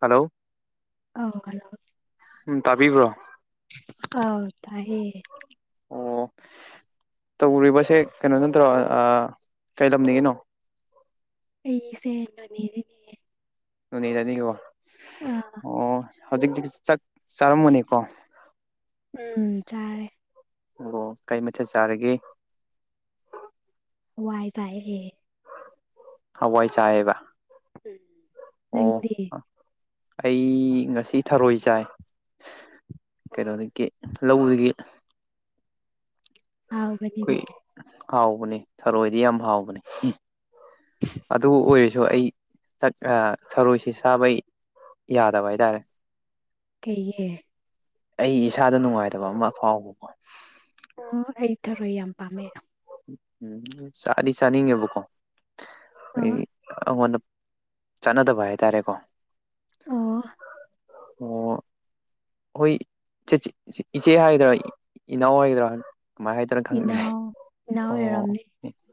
hello ꯑ hello ꯎꯝ ꯇꯥꯕꯤꯕ꯭ꯔꯣ ꯑꯥꯎ ꯇꯑꯌꯦ ꯑꯣ ꯇꯧꯔꯤꯕꯁꯦ ꯀꯩꯅꯣ ꯅ ꯅ ꯇꯧꯔꯛ ꯀꯩꯂꯝꯅꯤꯒꯤꯅꯣ ꯑꯩꯁꯦꯅꯅꯤꯅꯦ ꯅꯤꯖꯅꯤ ꯀ ꯋꯥꯣ ꯑꯣ ꯍꯧꯖꯤꯛꯇꯤ ꯆꯥꯛ ꯆꯥꯔꯃꯅꯦꯀꯣ ꯎꯝ ꯆꯥꯔꯦ ꯑꯣ ꯀꯩ ꯃꯊꯠ ꯆꯥꯔꯒꯦ ꯋꯥꯏ ꯆꯥꯏꯦ ꯍꯋꯥꯏ ꯆꯦꯕ ꯝ ꯅ ꯑꯩ ꯉꯁꯤ ꯊꯔꯣꯏ ꯆꯥꯏ ꯀꯩꯅꯣꯗꯒꯤ ꯂꯧꯗꯒꯤ ꯍꯥꯎꯕꯗꯤꯅꯦ ꯍꯥꯎꯕꯅꯤ ꯊꯔꯣꯏꯗꯤ ꯌꯥꯝ ꯍꯥꯎꯕꯅꯤ ꯑꯗꯨ ꯑꯣꯏꯔꯤꯁ ꯁꯨ ꯑꯩ ꯊꯔꯣꯏꯁꯤ ꯆꯕꯩ ꯌꯥꯗꯕ ꯍꯥꯏꯇꯥꯔꯦ ꯀꯩꯌꯦ ꯑꯩ ꯏꯁꯥꯗ ꯅꯨꯡꯉꯥꯏꯇꯕ ꯑꯃ ꯐꯥꯎꯕꯀꯣ ꯑꯣ ꯑꯩ ꯊꯔꯣꯏ ꯌꯥꯝ ꯄꯥꯝꯃꯦ ꯎꯝ ꯆꯥꯗꯤ ꯆꯥꯅꯤꯡꯉꯦꯕꯀꯣ ꯑꯣ ꯑꯩꯗꯤ ꯑꯩꯉꯣꯟꯗ ꯆꯥꯟꯅꯗꯕ ꯍꯥꯏꯇꯥꯔꯦꯀꯣ ꯑꯣ ꯑꯣ ꯑꯩꯈꯣꯏ ꯏꯆꯦ ꯍꯥꯏꯒꯗ꯭ꯔꯥ ꯏꯅꯥꯎ ꯍꯥꯏꯗ꯭ꯔꯥ ꯀꯃꯥꯏ ꯍꯥꯏꯗꯅ ꯈꯪꯗꯦ ꯏꯅꯥꯎ ꯏꯅꯥꯎ ꯑꯣ ꯑꯣꯏꯔꯝꯅꯤ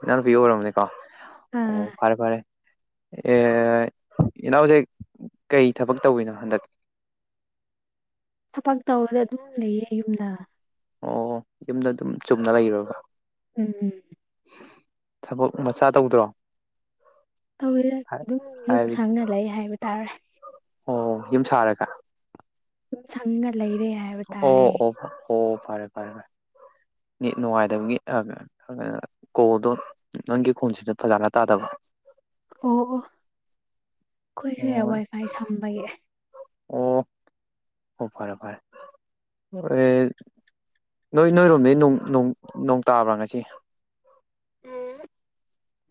ꯏꯅꯥꯅꯨꯄꯤ ꯑꯣꯏꯔꯕꯅꯦꯀꯣ ꯑꯣ ꯑꯥ ꯐꯔꯦ ꯐꯔꯦ ꯑ ꯏꯅꯥ ꯍꯧꯁ ꯀꯩ ꯊꯕꯛ ꯇꯧꯏꯤꯅꯣ ꯍꯟꯗꯛ ꯊꯕꯛ ꯇꯗ ꯑꯗꯨꯝ ꯂꯩꯌꯦ ꯌꯨꯝꯗ ꯑꯣ ꯌꯨꯝꯗ ꯑꯗꯨꯝ ꯆꯨꯝꯅ ꯂꯩꯔꯨꯔꯒ ꯎꯝ ꯎꯝ ꯊꯕꯛ ꯃꯆꯥ ꯇꯧꯗ꯭ꯔꯣ ꯇꯧꯋ ꯑꯗꯨꯝ ꯌꯨꯝ ꯍꯥꯏꯕꯗꯤ ꯁꯪꯅ ꯂꯩ ꯍꯥꯏꯕ ꯇꯥꯔꯦ ꯑꯣ ꯌꯨꯝ ꯁꯥꯔꯒ ꯁꯝ ꯁꯪꯅ ꯂꯩꯔꯦ ꯍꯥꯏꯕ ꯑꯣ ꯇꯥꯔꯦ ꯑꯣ ꯑꯣ ꯐꯔꯦ ꯐꯔꯦ ꯐꯔꯦ ꯅꯨꯡꯉꯥꯏꯗꯕꯒꯤ ꯀꯣꯗꯣ ꯅꯪꯒꯤ ꯈꯣꯟꯁꯤꯗ ꯐꯖꯥꯅ ꯇꯥꯗꯕ [unintelligible] ꯑꯣ ꯑꯩꯈꯣꯏꯁꯦ ꯑꯣ ꯋꯥꯏꯐꯥꯏ ꯁꯝꯕꯒꯤ ꯑꯣ ꯑꯣ ꯐꯔꯦ ꯐꯔꯦ ꯍ ꯅꯣꯏ ꯅꯣꯏꯔꯣꯝꯗꯒꯤꯩ ꯅꯣꯡ ꯇꯥꯕ꯭ꯔꯥ ꯉꯁꯤ [unintelligible]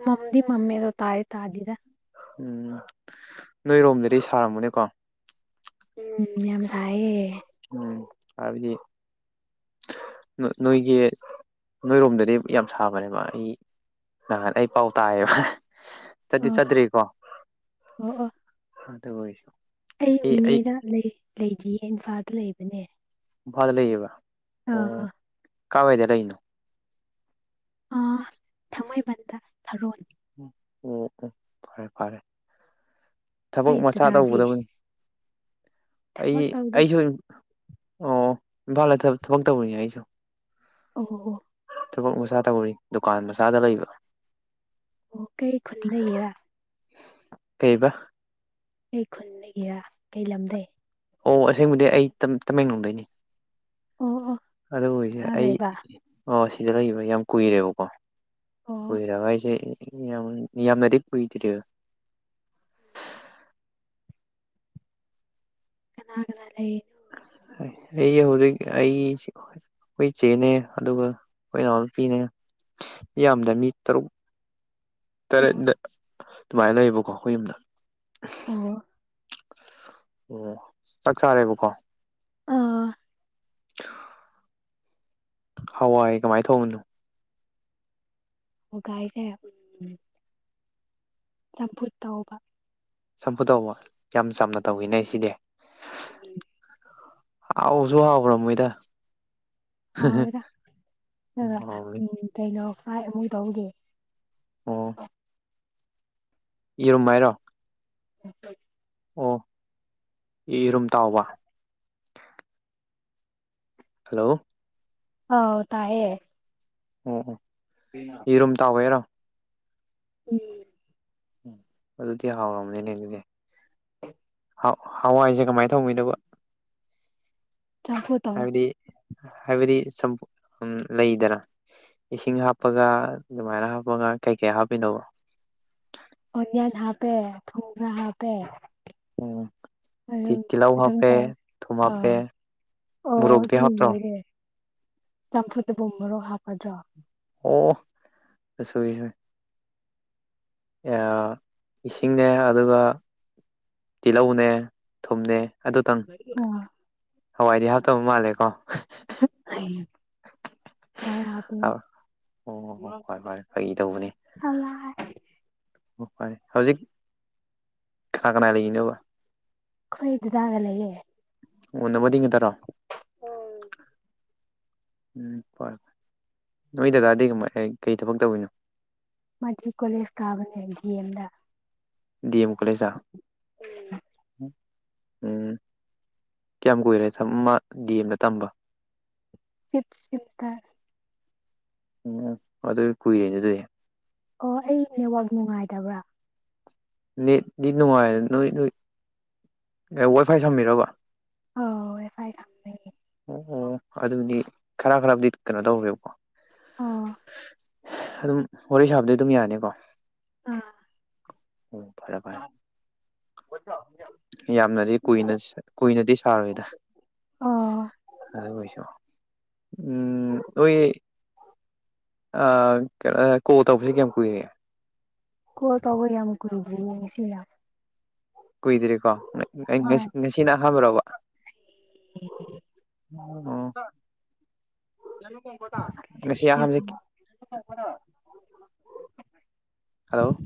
ꯃꯝ ꯃꯃꯤꯗ ꯇꯥꯌꯦ ꯇꯥꯗꯤꯗ ꯎꯝ ꯅꯣꯏꯔꯣꯝꯗꯗꯤ ꯁꯥꯔꯝꯃꯅꯦꯀꯣ ꯎꯝ ꯌꯥꯝ ꯁꯥꯏꯌꯦ ꯎꯝ ꯍꯥꯏꯗꯤ ꯅꯣꯏꯒꯤ ꯅꯣꯏꯔꯣꯝꯗꯗꯤ ꯌꯥꯝ ꯁꯥꯕꯅꯦꯕ ꯑꯩ ꯅ ꯑꯩ ꯄꯥꯎ ꯇꯥꯌꯦꯕ ꯆꯗꯤ ꯑꯣ ꯆꯠꯇ꯭ꯔꯤꯀꯣ ꯑꯣ ꯑꯣ ꯑꯗꯨ ꯑꯣꯏꯁꯨ ꯑꯩ ꯅꯣꯅꯦꯗ ꯂꯩꯔꯤꯌꯦ ꯏꯝꯐꯥꯜꯗ ꯂꯩꯕꯅꯦ ꯐꯗ ꯂꯩꯕ ꯑ ꯍ ꯀꯥꯎꯋ ꯑꯣꯏꯗꯦꯔꯔꯤꯅꯣ ꯑ ꯊꯥꯡꯃꯩꯕꯟꯗ ꯊꯔꯣ ꯎ ꯎꯝ ꯎꯝ ꯐꯔꯦ ꯐꯔꯦ ꯊꯕꯛ ꯑꯩꯈꯣꯏ ꯃꯆꯥꯥ ꯗꯗꯥꯗꯤ ꯇꯧꯒꯗꯕꯅꯤ ꯑꯩ ꯊꯕꯛ ꯇꯧꯗꯦꯗ ꯑꯩꯁꯨ ꯑꯣ ꯏꯝꯐꯥꯜ ꯊꯕꯛ ꯇꯧꯕꯅꯤ ꯑꯩꯁꯨ ꯑꯣ ꯊꯕꯛ ꯃꯆꯥꯥ ꯇꯧꯔꯤ ꯗꯨꯀꯥꯟ ꯃꯁꯥꯗ ꯂꯩꯕ ꯑꯣ ꯀꯩ ꯈꯨꯟꯗ ꯌꯦꯔꯥ ꯀꯩꯕ ꯀꯩ ꯈꯨꯟ ꯂꯩꯗꯒꯤꯦꯔꯥ ꯀꯩ ꯂꯝꯗꯩ ꯑꯣ ꯑꯁꯦꯡꯕꯗꯤ ꯑꯩ ꯇꯃꯦꯡꯂꯣꯡꯗꯩꯅꯤ ꯑꯣ ꯑꯣ ꯑꯗꯨ ꯑꯣꯏꯁꯦ ꯏꯝꯐꯥꯜ ꯑꯩ ꯂꯩꯕ ꯁꯤꯗ ꯂꯩꯕ ꯌꯥꯝ ꯀꯨꯏꯔꯦꯕꯀꯣ ꯑꯣ ꯀꯣꯏꯔꯒ ꯍꯥꯏꯁꯦ ꯌꯥꯝ ꯌꯥꯝ ꯌꯥꯝꯅꯗꯤ ꯀꯏꯇꯔꯤ [unintelligible] ꯀꯅꯥꯒꯅ ꯂꯩ ꯑꯩ ꯍꯧꯖꯤꯛ ꯑꯩ ꯑꯩꯈꯣꯏ ꯏ ꯆꯦꯅꯦ ꯑꯗꯨꯒ ꯀ ꯄꯤꯅꯤꯉ ꯌꯥꯝꯗ꯭ꯔ ꯃꯤ ꯇꯔꯨꯛ ꯇꯔꯦꯠ ꯑꯗꯨꯃꯥꯏꯅ ꯂꯩꯌꯦꯕꯀꯣ ꯑꯩꯈꯣꯏ ꯌꯨꯝꯗ ꯑꯣ ꯑꯣ ꯆꯥꯛ ꯆꯥꯔꯦꯕꯀꯣ ꯑꯥ ꯑ ꯍꯋꯥꯏ ꯀꯃꯥꯏꯅ ꯊꯣꯡꯉꯅꯣ ꯍꯒꯥꯏꯁꯦ ꯆꯝꯐꯨꯠ ꯇꯧꯕ ꯆꯝꯐꯨ ꯇꯧꯕ ꯌꯥꯝ ꯆꯝꯅ ꯇꯧꯋꯤꯅꯦ ꯁꯤꯗꯤ ꯎꯝ ꯍꯥꯎꯁꯨ ꯍꯥꯎꯕ꯭ꯔꯝꯣꯏꯗ ꯍꯥꯎꯔ ꯍꯥꯎꯋꯤ ꯎꯝ ꯀꯩꯅꯣ ꯐꯥꯏ ꯑꯃꯣꯏ ꯇꯧꯒꯦ ꯑꯣ ꯌꯦꯔꯨꯝ ꯍꯥꯏꯔꯣ ꯎ ꯑꯣ ꯏ ꯏꯔꯨꯝ ꯇꯥꯎꯕ ꯍꯜꯂꯣ ꯍꯥꯎ ꯇꯥꯏꯑꯌꯦꯦ ꯑꯣ ꯑꯣ ꯌꯦꯔꯨꯝ ꯇꯥꯎꯋꯦꯔꯣ ꯎꯝ ꯑꯗꯨꯗꯤ ꯍꯥꯎꯔꯝꯅꯤꯅꯦ ꯑꯗꯨꯗꯤ ꯍꯋꯥꯏꯁꯦ ꯀꯃꯥꯏꯅ ꯇꯧꯤꯗꯕ ꯆꯝꯐꯨ ꯇꯧꯔ ꯍꯥꯏꯕꯗꯤ ꯍꯥꯏꯕꯗꯤ ꯂꯩꯗꯅ ꯏꯁꯤꯡ ꯍꯥꯞꯄꯒ ꯑꯗꯨꯃꯥꯏꯅ ꯍꯥꯞꯄꯒ ꯀꯩꯀꯩ ꯍꯥꯞꯄꯤꯅꯧꯕ ꯑꯣꯌꯥ ꯊ ꯍꯥꯄꯦ ꯊꯣꯡꯅꯥ ꯍꯥꯄꯦ ꯎꯝꯤ ꯀꯤꯂ ꯋꯥ ꯍꯥ ꯑꯗꯨꯝ ꯄꯦ ꯇꯧꯔꯦ ꯊꯃ ꯄꯦ ꯑꯥ ꯃꯣꯔꯣꯛꯗꯤ ꯍꯥꯛꯇ꯭ꯔ ꯆꯝꯐꯨꯗ ꯣꯝꯝꯕꯔꯣ ꯍꯥꯄꯥꯗ ꯑꯣꯁꯨꯣꯏꯁꯨ ꯏꯁꯤꯡꯅꯦꯦ ꯑꯗꯨꯒ ꯇꯤꯜꯍꯧꯅꯦ ꯊꯨꯝꯅꯦ ꯑꯗꯨꯇꯪ ꯑꯣ ꯍꯋꯥꯏꯗꯤ ꯍꯥꯇꯧ ꯃꯥꯜꯂꯦꯀꯣ ꯑ ꯑꯣ ꯍꯣ ꯍꯣ ꯍꯣꯏ ꯍꯣꯏ ꯐꯩ ꯇꯧꯕꯅꯦ ꯌꯥꯝ ꯂꯥꯏ ꯑꯣ ꯐ ꯍꯧꯖꯤꯛ ꯀꯅꯥ ꯀꯅꯥ ꯂꯩꯔꯤꯅꯕ ꯍꯣꯏꯗꯗꯒꯂꯌꯦꯦ ꯅ ꯃꯗꯤꯉ ꯇꯔꯣ ꯎꯝ ꯐꯔꯦ ꯐꯦ ꯅꯣꯏ ꯗꯗꯥꯗꯤ ꯀꯃꯥꯏ ꯀꯩ ꯊꯕꯛ ꯇꯧꯔꯤꯅꯣ ꯃꯊ ꯀꯣꯂꯦꯁ ꯀꯥꯒꯗꯦ ꯙꯑꯗ ꯗꯤꯑꯦꯝ ꯀꯂꯦꯖꯥ ꯎꯝ ꯀꯌꯥꯝ ꯀꯨꯏꯔꯦ ꯊ ꯑꯃ ꯒꯦꯝꯗ ꯇꯝꯕ ꯁꯤꯞ ꯁꯤꯟꯇꯜ ꯎꯝ ꯑꯗ ꯀꯏꯔ ꯑꯗꯨꯦ ꯑꯣ ꯑꯩ ꯅꯦꯠꯋꯥꯛ ꯅꯨꯡꯉꯥꯏꯗꯕ꯭ꯔꯥ ꯅꯨꯡꯉꯥꯏꯔ ꯅ ꯅ ꯑꯦ ꯋꯥꯏ ꯐꯥꯏ ꯁꯝꯕꯤꯔꯕ ꯑꯧ ꯋꯥꯏꯐꯥꯏ ꯁꯝꯕꯒꯤ ꯑꯣ ꯑꯗꯗꯤ ꯈꯔ ꯈꯔꯕꯨꯗꯤ ꯀꯩꯅꯣ ꯇꯧꯦꯕꯀꯣ ꯑ ꯑꯗꯨꯝ ꯋꯥꯔꯤ ꯁꯥꯕꯗꯤ ꯑꯗꯨꯝ ꯌꯥꯅꯤꯀꯣ ꯑꯥ ꯎꯝ ꯐꯔꯦ ꯐꯔꯦ ꯌꯥꯝꯅꯗꯤ ꯀꯨꯅ ꯀꯨꯏꯅꯗꯤ ꯁꯥꯔꯣꯏꯗ ꯑꯣ ꯑꯗꯨ ꯑꯣꯏꯁꯨ ꯎꯝ ꯑꯣꯏꯣꯏ ꯑ ꯀꯣ ꯇꯐꯤꯁ ꯌꯥꯝ ꯀꯏꯅꯦꯦ ꯀ ꯇꯧꯕ ꯌꯥꯝ ꯑꯃꯛ ꯀꯔꯗꯔꯤ ꯁꯤ ꯀꯨꯏꯗ꯭ꯔꯤꯀꯣ ꯍꯣꯏ ꯉꯁꯤ ꯅꯍꯥꯟꯕ꯭ꯔꯣꯕ ꯎ ꯉꯁꯤ ꯑꯍꯥꯟꯕꯁꯦ [unintelligible] ꯍꯜꯂꯣ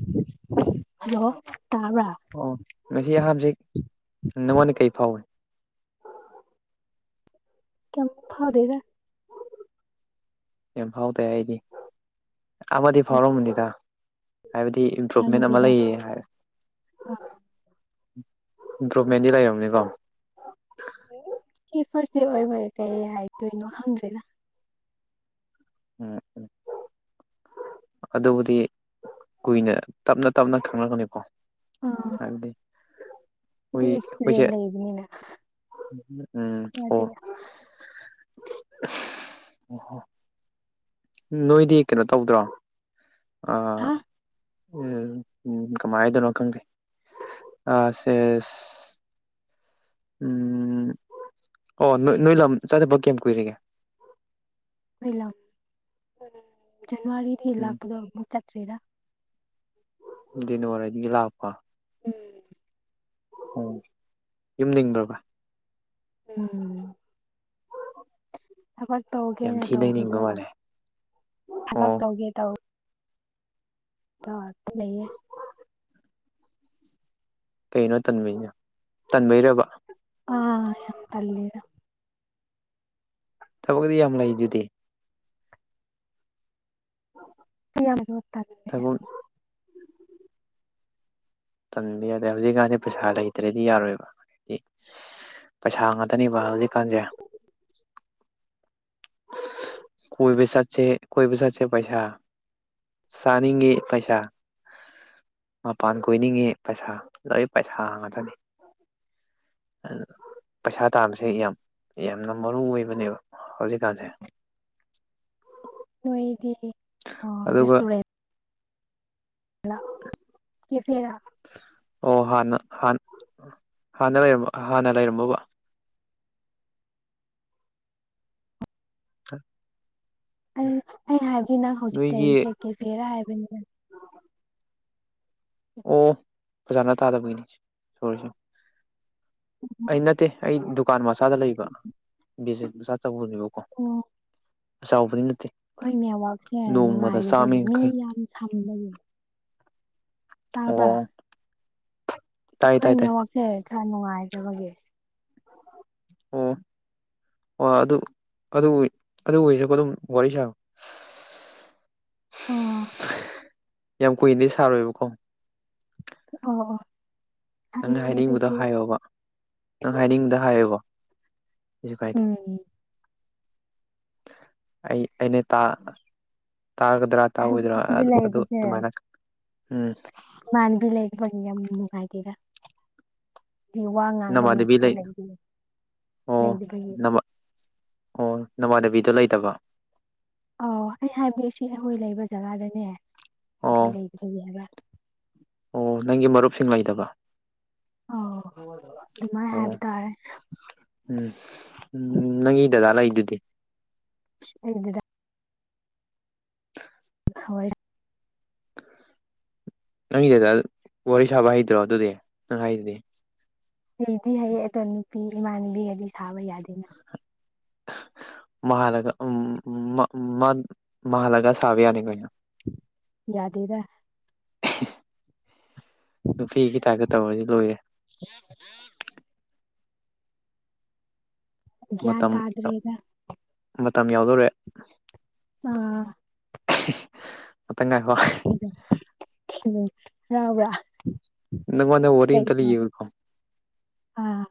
ꯍꯜꯂꯣ ꯇꯥꯕ꯭ꯔꯥ ꯃꯁꯤ ꯑꯍꯥꯝꯁꯤ ꯅꯪꯉꯣꯟꯗ ꯀꯔꯤ ꯐꯥꯎꯏ ꯀ ꯐꯥꯎꯗꯒ ꯍ ꯌꯥꯝ ꯐꯥꯎꯇꯦ ꯑꯩꯗꯤ ꯑꯃꯗꯤ ꯐꯥꯎꯔꯝꯃꯅꯤꯗ ꯍꯥꯏꯕꯗꯤ ꯏꯝꯄ꯭ꯔꯨꯚꯃꯦꯟ ꯑꯃ ꯈꯪꯗꯦꯗ ꯂꯩꯌꯦ ꯍꯥꯏ ꯑ ꯏꯝꯄ꯭ꯔꯨꯚꯃꯦꯟꯗꯤ ꯂꯩꯔꯕꯅꯤꯀꯣ ꯐꯔꯁꯤ ꯑꯣꯏ ꯐꯔ ꯀ ꯍꯥꯏ ꯊꯪꯖꯦꯂ ꯎꯝ ꯎꯝ ꯑꯗꯨꯕꯨꯗꯤ ꯀꯨꯏꯅ ꯇꯞꯅ ꯇꯞꯅ ꯈꯪꯅꯛꯒꯅꯤꯀꯣ ꯑꯥ ꯍꯥꯏꯗꯤ ꯗꯤ ꯍꯣꯏ ꯑꯩꯈꯣꯏꯁꯦ ꯑꯦꯛꯁꯄꯤꯔꯤꯌꯦꯟ ꯂꯩꯕꯅꯤꯅ ꯎꯝ ꯑꯣ ꯌꯥꯗꯦ ꯑꯣ ꯅꯣꯏꯗꯤ ꯀꯩꯅꯣ ꯇꯧꯗ꯭ꯔꯣ ꯑꯥ ꯍꯥ ꯎꯝ ꯎꯝ ꯀꯃꯥꯏꯗꯣꯏꯅꯣ ꯈꯪꯒꯦ ꯑꯁꯦꯁ ꯎꯝ ꯑꯣ ꯅꯣꯏ ꯂ ꯆꯥꯗꯕꯀꯤ ꯌꯥꯝ ꯀꯨꯏꯔꯒꯦ ꯑꯩꯣꯏ ꯂꯥꯛ ꯖꯅꯋꯥꯔꯤꯗꯒꯤ ꯎꯝ ꯂꯥꯛꯄꯗꯣ ꯑꯃꯨꯛ ꯆꯠꯇ꯭ꯔꯔꯤꯔ ꯅ ꯃꯔꯔꯥꯏꯗꯤ ꯏ ꯂꯞꯄꯥ ꯑꯣ ꯌꯨꯝꯗꯤꯡꯕ꯭ꯔꯣꯕ ꯎꯝ ꯊꯕꯛ ꯌꯥꯝ ꯇꯧꯒꯦꯅ ꯊꯤꯅ ꯅꯤꯡꯕ ꯇꯧꯕꯗꯣ ꯃꯥꯜꯂꯦ ꯊꯕꯛ ꯑꯣ ꯇꯧꯒꯦ ꯇꯧ ꯅꯌꯦ ꯀꯩꯅꯣ ꯇꯟꯅ ꯇꯟꯕꯩꯔꯕ ꯑꯥ ꯍ ꯂꯩꯔ ꯊꯕꯛꯛꯇꯗꯤ ꯌꯥꯝ ꯂꯩ ꯑꯗꯨꯗꯤ ꯐ ꯌꯥ ꯑꯣꯏꯠꯇꯔꯦ ꯊꯕꯛ ꯇꯟꯕ ꯌꯥꯗꯦ ꯍꯧꯖꯤꯛꯀꯥꯟꯗꯤ ꯄꯩꯁꯥ ꯂꯩꯇ꯭ꯔꯦꯗꯤ ꯌꯥꯔꯣꯏꯕ ꯍꯥꯏꯗꯤ ꯄꯩꯁꯥ ꯉꯥꯛꯇꯅꯦꯕ ꯍꯧꯖꯤꯛꯀꯥꯟꯁꯦ ꯀꯣꯏ ꯄ ꯆꯥꯁꯦ ꯀꯣꯏ ꯄ ꯆꯥꯁꯦ ꯄꯩꯁꯥ ꯁꯅꯤꯡꯒꯤ ꯄꯩꯁꯥ ꯃꯄꯥꯟ ꯀꯣꯏꯅꯤꯡꯉꯤ ꯄꯩꯁꯥ ꯂꯣꯏ ꯄꯩꯁꯥ ꯍꯥꯡꯉꯗꯅꯤ ꯄꯩꯁꯥ ꯇꯥꯕꯁꯦ ꯌꯥꯝ ꯌꯥꯝꯅ ꯃꯔꯨ ꯑꯣꯏꯕꯅꯦꯕ ꯍꯧꯖꯤꯛ ꯦ ꯅꯣꯏꯗꯤ ꯔꯦꯁꯇꯨꯔꯦꯟ ꯀꯦꯐꯦꯔꯥ ꯑꯣ ꯍꯥꯟꯅ ꯍꯥꯟꯅ ꯂꯩꯔ ꯍꯥꯟꯅ ꯂꯩꯔꯝꯃꯣꯕ ꯑ ꯑꯩ ꯑꯩ ꯍꯥꯏꯕꯒꯤ ꯅꯪ ꯍꯧꯖꯤꯛ ꯅꯣꯏꯒꯤ ꯂꯩꯔꯤꯁꯦ ꯀꯦꯐꯦꯔꯥ ꯍꯥꯏꯕꯅꯤꯅ ꯑꯣ ꯐꯖꯥꯅ ꯇꯥꯗꯕꯒꯤꯅꯤ ꯁꯁꯦ ꯑꯩ ꯅꯠꯇꯦ ꯑꯩ ꯗꯨꯀꯥꯟ ꯃꯆꯥꯗ ꯂꯩꯕ ꯕꯤꯅꯦ ꯃꯆꯥ ꯇꯧꯕꯅꯦꯕꯀꯣ ꯑꯣ ꯆꯥꯎꯕꯗꯤ ꯑꯩꯈꯣꯏ ꯅꯦꯠꯋꯔꯛꯁꯦ ꯆꯥꯝꯃ ꯅꯨꯡꯉꯥꯏꯕꯒꯤ ꯃꯤ ꯌꯥꯡꯈꯩ ꯌꯥꯝ ꯁꯪꯕꯒꯤ ꯇꯥꯕ ꯑꯣ ꯇꯥꯏ ꯇꯥꯏ ꯇꯥꯏ ꯑꯩꯈꯣꯏꯅꯦꯃꯛꯁꯦ ꯈꯔ ꯅꯨꯡꯉꯥꯏꯖꯕꯒꯤ ꯑꯣ ꯑꯣ ꯑꯗꯨ ꯑꯗꯨ ꯑꯣꯏꯔꯁꯨ ꯑꯗꯨꯝ ꯋꯥꯔꯤ ꯁꯥꯕ [unintelligible] ꯑꯣ ꯌꯥꯝ ꯀꯨꯏꯗꯤꯩ ꯁꯥꯔꯣꯏꯕꯀꯣ ꯑꯣ ꯅꯪ ꯈꯪꯉꯦ ꯍꯥꯏꯅꯤꯡꯕꯗ ꯑꯗꯨꯗꯤ ꯍꯥꯏꯌꯣꯕ ꯅꯪ ꯍꯥꯏꯅꯤꯡꯕꯗ ꯍꯥꯏꯌꯣꯕ ꯍꯧꯁꯨ ꯀꯥꯏꯇ ꯎꯝ ꯑꯩ ꯑꯩꯅ ꯇꯥ ꯇꯥꯒꯗ꯭ꯔꯥ ꯍꯧꯖꯤꯛ ꯇꯥꯑꯣꯣꯏꯗ꯭ꯔꯥ ꯑꯁꯤꯗ ꯑꯗꯨ ꯑꯗꯨꯃꯥꯏꯅ ꯎꯝ ꯃꯥꯟꯕꯤ ꯂꯩ ꯃꯃꯨ ꯃꯈꯥꯏꯇꯔ ꯋꯥ ꯉꯥꯡꯕ ꯃꯤꯁꯨ ꯂꯩ ꯑꯣ ꯂꯩꯗꯕꯒꯤ ꯅꯃꯥ ꯑꯣ ꯅꯃꯗꯕꯤꯗꯣ ꯂꯩꯇꯕ ꯑ ꯑꯩ ꯍꯥꯏꯕ ꯏꯁꯤ ꯑꯩꯈꯣꯏ ꯂꯩꯕ ꯖꯒꯥꯗꯅꯦ ꯑꯣ ꯍꯥꯏꯕ ꯑꯣ ꯅꯪꯒꯤ ꯃꯔꯨꯞꯁꯤꯡ ꯂꯩꯗꯕ ꯑꯣ ꯑꯗꯨꯃꯥꯏ ꯍꯥꯏ ꯇꯔꯦ ꯎꯝ ꯎꯝ ꯅꯪꯒꯤ ꯗꯗꯥ ꯂꯩꯗꯨꯗꯤ ꯗꯗ [unintelligible] ꯍꯣꯏ [unintelligible] ꯅꯪꯒꯤꯗꯨꯗ ꯋꯥꯔꯤ ꯁꯥꯕ ꯍꯩꯇ꯭ꯔꯣ ꯑꯗꯨꯗꯤ ꯅꯪ ꯍꯥꯏꯗꯨꯗꯤ ꯑꯩꯗꯤ ꯍꯌꯦꯡ ꯑꯇꯣ ꯅꯨꯄꯤ ꯏꯃꯥꯟꯅꯕꯤꯒꯗꯤ ꯁꯥꯕ ꯌꯥꯗꯦꯅ ꯃꯂꯒ ꯎ ꯃꯥꯂꯒꯥꯁꯕꯤ ꯑꯅꯤ ꯀꯅ ꯌꯥꯗꯦꯗ [unintelligible] ꯅꯨꯄꯤꯒꯤ ꯊꯥꯒ ꯇꯧꯔꯗꯤ ꯂꯣꯏꯔꯦ [unintelligible] ꯒ꯭ꯌꯥꯟ ꯃꯇꯝ ꯇꯥꯗ꯭ꯔꯦꯗ ꯃꯇꯝ ꯌꯥꯎꯗꯣꯔꯦ ꯑꯥ ꯑ ꯉꯥꯏ ꯍ ꯔꯥꯎ꯭ꯔꯥ ꯏ ꯃꯅ ꯑꯣꯣꯔꯂꯦꯝ ꯇꯂꯤꯀ ꯑꯥ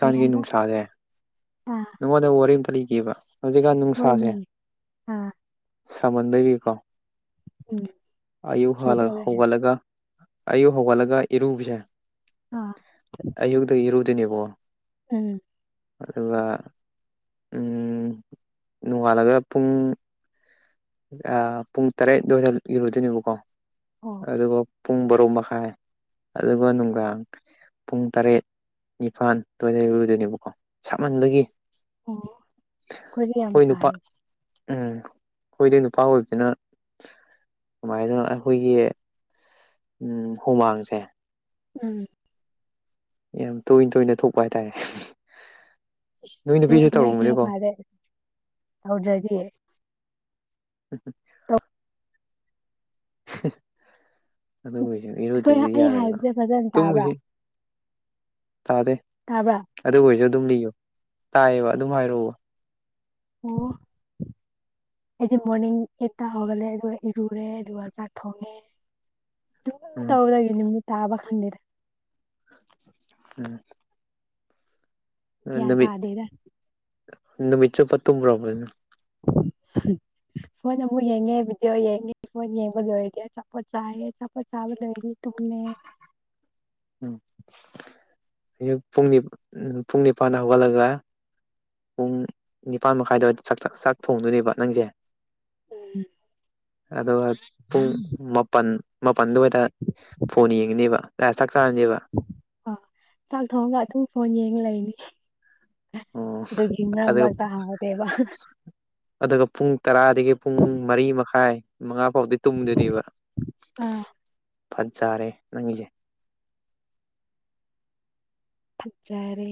ꯀꯩ ꯍꯥꯏꯕ ꯅꯨꯡꯁꯥꯁꯦ ꯑꯥ ꯅꯉꯣꯟꯗ ꯋꯥꯔꯤ ꯑꯃꯝꯇ ꯂꯩꯒꯕ ꯍꯧꯖꯤꯛꯀꯥꯟ ꯅꯨꯡꯁꯥꯁꯦ ꯍꯣꯏꯅꯦ ꯑꯥ ꯁꯥꯃꯟꯗꯔꯤꯀꯣ ꯎꯝ ꯑꯌꯨꯛ ꯁꯤꯗꯧꯔꯦ ꯍꯧꯒꯠꯂꯒ ꯑꯌꯨꯛ ꯍꯧꯒꯠꯂꯒ ꯏꯔꯨꯕꯁꯦ ꯑꯥ ꯗ ꯏꯔꯗꯤꯅꯦꯕꯣ ꯎꯝ ꯑꯗꯨꯒ ꯅꯣꯡꯉꯥꯜꯂꯒ ꯄꯨꯡ ꯄꯨꯡ ꯇꯔꯦꯠꯗ ꯑꯣꯏꯔ ꯏꯔꯨꯗꯣꯏꯅꯦꯕꯀꯣ ꯑꯣ ꯑꯗꯨꯒ ꯄꯨꯡ ꯕꯥꯔꯣ ꯃꯈꯥꯏ ꯑꯗꯨꯒ ꯅꯨꯡꯗꯥꯡ ꯄꯨꯡ ꯇꯔꯦꯠ ꯅꯤꯄꯥꯥꯟ ꯇꯣꯏ ꯂꯗꯣꯏꯅꯦꯕꯀꯣ ꯁꯥꯃꯟꯕꯒꯤ ꯎ ꯈꯨ ꯑꯩꯈꯣꯏ ꯅꯨꯄꯥ ꯌꯥꯝꯁꯥꯏ ꯎꯝ ꯑꯩꯈꯣꯏꯗ ꯅꯨꯄꯥ ꯑꯣꯏꯕꯕꯁꯤꯅ ꯀꯃꯥꯏꯅ ꯑꯩꯈꯣꯏꯒꯤ ꯎꯝ ꯍꯨꯃꯥꯡꯁꯦ ꯎꯝ ꯌꯥꯝ ꯇꯣꯏꯅ ꯇꯣꯏꯅ ꯊꯣꯛꯄ ꯍꯥꯏꯇꯥꯔꯦ ꯅꯣꯏ ꯅꯨꯄꯤꯁꯨ ꯅꯣꯏ ꯀ ꯇꯧꯔꯝꯃꯅꯤꯀꯣ ꯐꯥꯔꯦ ꯇꯧꯗ꯭ꯔꯗꯤ ꯎꯝ ꯇꯞ ꯑꯗꯨꯝꯕꯁ ꯑꯩꯈꯣꯏ ꯏꯔꯨꯗꯗꯤ ꯑꯩ ꯌꯥꯔꯣꯏꯕ ꯍꯥꯏꯕꯁꯦ ꯐꯖꯅ ꯇꯥꯕ꯭ꯔꯥ ꯇꯨꯝꯕꯁꯦ ꯇꯥꯗꯦ ꯇꯥꯕ꯭ꯔꯥ ꯑꯗꯨꯣꯏꯁꯨ ꯑꯗꯨꯝ ꯂꯤꯌꯣ ꯇꯥꯏꯌꯦꯕ ꯑꯗꯨꯝ ꯍꯥꯏꯔꯛꯎꯕ ꯑꯣ ꯑꯩꯗꯤ ꯃꯣꯔꯅꯤꯡ ꯑꯩꯠꯇ ꯍꯧꯒꯜꯂꯦ ꯑꯗꯨꯒ ꯏꯔꯨꯔꯦ ꯑꯗꯨꯒ ꯆꯥꯛ ꯊꯣꯡꯉꯦ ꯎꯝ ꯇꯧꯗꯒꯦꯅꯤ ꯇꯥꯕ ꯈꯅꯤꯔ ꯎꯝ ꯀꯌꯥ ꯇꯥꯗꯦꯗ ꯅꯨꯃꯤꯆꯣ ꯐꯠꯇꯨꯝ ꯄ꯭ꯔꯣꯕꯂꯦꯝꯅꯦ ꯎꯝ ꯐꯣꯟ ꯑꯃꯨꯛ ꯌꯦꯡꯉꯦ ꯚꯤꯗꯤꯑꯣ ꯌꯦꯡꯉꯦ ꯐꯣꯟ ꯌꯦꯡꯕ ꯂꯣꯏꯔꯒꯦ ꯆꯆꯥꯄꯣꯠ ꯆꯥꯏꯔꯦ ꯆꯆꯥꯄꯣꯠ ꯆꯥꯕ ꯂꯣꯏꯔꯦ [unintelligible] [unintelligible] ꯄꯨꯡꯅꯤ ꯎ ꯄꯨꯡꯅꯤ ꯐꯥꯟꯅ ꯍꯒꯥꯂ ꯄꯨꯡ ꯅꯤꯄꯥꯜ ꯃꯈꯥꯏꯗꯋꯥ ꯆꯥꯛ ꯊꯣꯡꯗꯣꯏꯅꯦꯕ ꯅꯪꯁꯦ ꯎꯝ ꯑꯗꯨꯒ ꯄꯨꯡ ꯃꯥꯄꯜ ꯃꯄꯥꯟꯗꯨꯋꯥꯗ ꯐꯣꯟ ꯌꯦꯡꯉꯅꯦꯕ ꯆꯥꯔꯅꯦꯕ ꯑ ꯆꯥꯛ ꯊꯣꯡꯒ ꯑꯗꯨꯝ ꯐꯣꯟ ꯌꯦꯡꯉ ꯂꯩꯅꯤ ꯑꯣ ꯑꯗꯨꯗꯒꯤ ꯃꯔꯛ ꯑꯗꯨꯒ ꯃꯔꯛꯇ ꯍꯥꯡꯗꯦꯕ ꯑꯗꯨꯒ ꯄꯨꯡ ꯇꯔꯥꯗꯒꯤ ꯄꯨꯡ ꯃꯔꯤ ꯃꯈꯥꯏ ꯃꯉꯥ ꯐꯥꯎꯗꯤ ꯇꯨꯝꯗꯣꯏꯕ ꯑꯥ ꯐꯖꯥꯔꯦ ꯅꯪꯉꯖꯦ ꯌꯥꯔꯦ